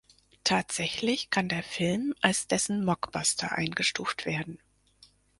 Tatsächlich kann der Film als dessen Mockbuster eingestuft werden.